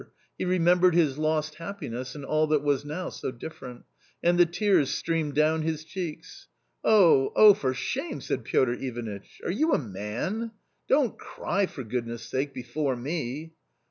He remembered his lost happiness, and all that was now so different. And the tears streamed down his cheeks. " Oh, oh ! for shame !" said Piotr Ivanitch ;" are you a man ? Don't cry, for goodness' sake, before me